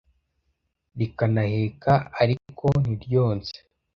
Rikanaheka ariko ntiryonse